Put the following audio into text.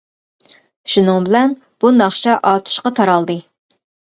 شۇنىڭ بىلەن بۇ ناخشا ئاتۇشقا تارالدى.